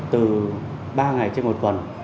từ ba ngày trên một tuần